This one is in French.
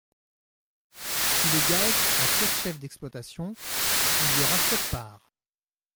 Si le GAEC a sept chefs d’exploitation, il y aura sept parts.